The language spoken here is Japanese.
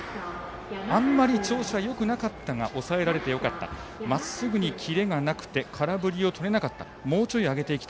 あんまり調子はよくなかったが抑えられてよかったまっすぐにキレがなくて空振りを取れなかった。